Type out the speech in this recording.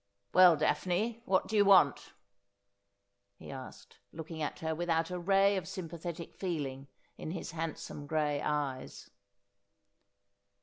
' Well, Daphne, what do you want ?' he asked, looking at her without a ray of sympathetic feeling in his handsome gray eyes.